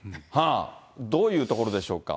どういうところでしょうか。